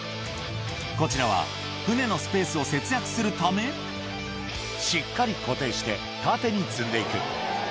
こちらは、船のスペースを節約するため、しっかり固定して、縦に積んでいく。